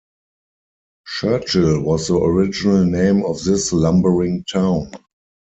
Churchill was the original name of this lumbering town.